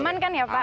aman kan ya pak